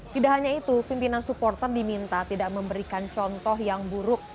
tidak hanya itu pimpinan supporter diminta tidak memberikan contoh yang buruk